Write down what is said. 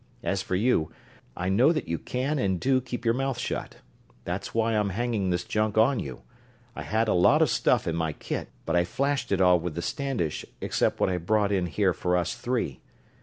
As for you, I know that you can and do keep your mouth shut. That's why I'm hanging this junk on you I had a lot of stuff in my kit, but I flashed it all with the Standish, except what I brought in here for us three.